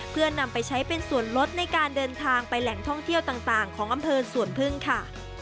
เพื่อนำไปใช้เป็นส่วนลดในการเดินทางไปแหล่งท่องเที่ยวต่างของอำเภอสวนพึ่งค่ะ